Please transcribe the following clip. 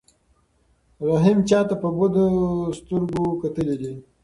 رحیم چاته په بدو سترګو کتلي دي؟